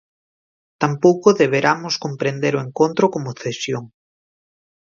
Tampouco deberamos comprender o encontro como cesión.